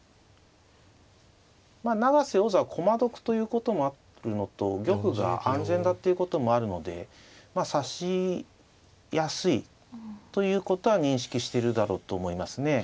永瀬王座は駒得ということもあるのと玉が安全だっていうこともあるのでまあ指しやすいということは認識してるだろうと思いますね。